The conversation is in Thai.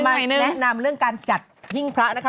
พี่จะแนะนำเรื่องการจัดห้ิงพระนะคะ